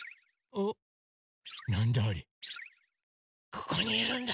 ここにいるんだ！